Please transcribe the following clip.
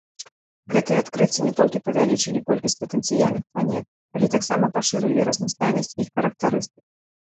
Гэтыя адкрыцці не толькі павялічылі колькасць патэнцыяльных планет, але таксама пашырылі разнастайнасць іх характарыстык.